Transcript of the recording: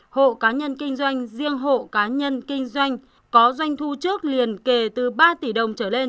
hộ cá nhân kinh doanh riêng hộ cá nhân kinh doanh có doanh thu trước liền kể từ ba tỷ đồng trở lên